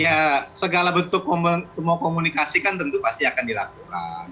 ya segala bentuk mau komunikasi kan tentu pasti akan dilakukan